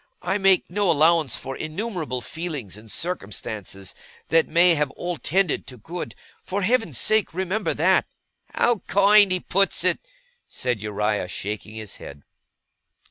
I make no allowance for innumerable feelings and circumstances that may have all tended to good. For Heaven's sake remember that!' 'How kind he puts it!' said Uriah, shaking his head.